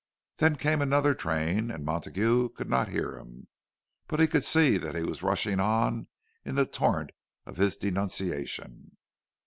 Then came another train, and Montague could not hear him; but he could see that he was rushing on in the torrent of his denunciation.